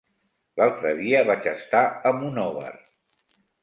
L'altre dia vaig estar a Monòver.